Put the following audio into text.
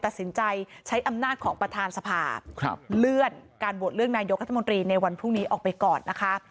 ตัดสินใจใช้อำนาจของประธานสภาเลื่อนการโหวตเลือกนายกรัฐมนตรีในวันพรุ่งนี้ออกไปก่อนนะคะ